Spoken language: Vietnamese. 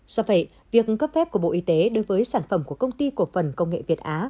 do vậy việc cấp phép của bộ y tế đối với sản phẩm của công ty cổ phần công nghệ việt á